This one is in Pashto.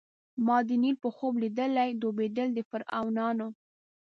ما د نیل په خوب لیدلي ډوبېدل د فرعونانو